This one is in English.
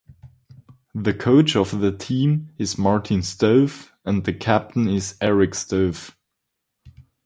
The coach of the team is Martin Stoev and the captain is Eric Stoev.